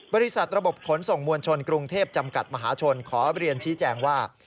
บริษัทระบบขนส่งมวลชนกรุงเทพจำกัดมหาชนขอเรียนชี้แจงว่า